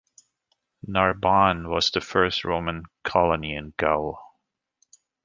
Narbonne was the first Roman colony in Gaul.